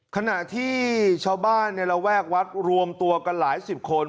ขณะที่ชาวบ้านในระแวกวัดรวมตัวกันหลายสิบคน